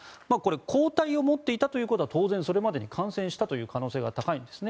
抗体を持っていたということは当然それまでに感染した可能性が高いですね。